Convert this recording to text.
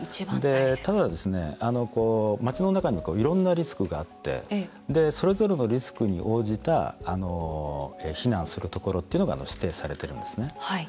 ただですね、街の中にもいろんなリスクがあってそれぞれのリスクに応じた避難するところっていうのが指定されているんですね。